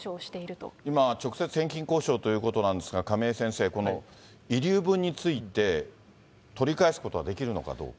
今、直接返金交渉ということなんですが、亀井先生、この遺留分について、取り返すことはできるのかどうか。